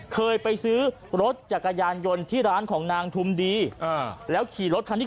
เคยไปซื้อรถจักรยานยนต์ที่ร้านของนางทุมดีอ่าแล้วขี่รถคันที่